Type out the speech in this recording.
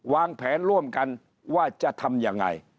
วางแผนร่วมกันว่าจะทำยังไง